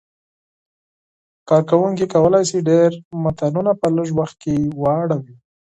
کاروونکي کولای شي ډېر متنونه په لږ وخت کې واړوي.